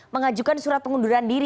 mengajukan surat pengunduran jokowi